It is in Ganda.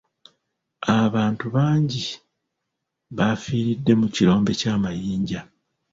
Abantu bangi bafiiridde mu kirombe ky'amayinja.